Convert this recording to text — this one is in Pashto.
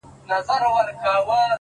o مخته چي دښمن راسي تېره نه وي،